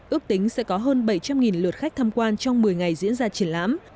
ước tính sẽ có hơn bảy trăm linh lượt khách tham quan trong một mươi ngày diễn ra triển lãm